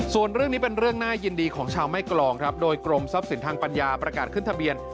ส่วนเรื่องนี้เป็นเรื่องน่ายินดีของชาวแม่กรองครับโดยกรมทรัพย์สินทางปัญญาประกาศขึ้นทะเบียน